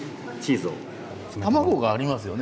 卵がありますよね？